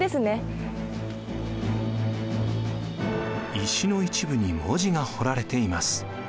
石の一部に文字が彫られています。